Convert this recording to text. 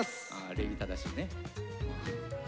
礼儀正しいね。